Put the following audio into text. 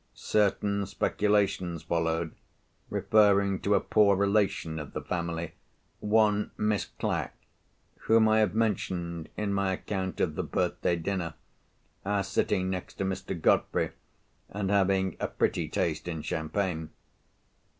Certain speculations followed, referring to a poor relation of the family—one Miss Clack, whom I have mentioned in my account of the birthday dinner, as sitting next to Mr. Godfrey, and having a pretty taste in champagne.